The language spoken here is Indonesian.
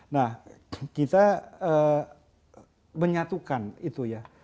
nah kita menyatukan itu ya